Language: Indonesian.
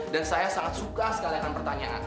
dan saya sangat suka sekalian pertanyaan